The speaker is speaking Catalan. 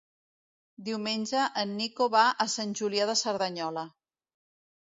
Diumenge en Nico va a Sant Julià de Cerdanyola.